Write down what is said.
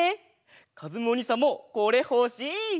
かずむおにいさんもこれほしい！